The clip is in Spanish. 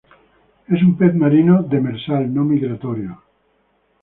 Es un pez marino, demersal, no migratorio.